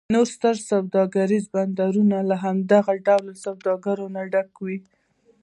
نور ستر سوداګریز بندرونه له دغه ډول سوداګرو ډک و.